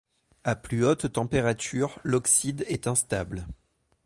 À plus haute température, l'oxyde est instable.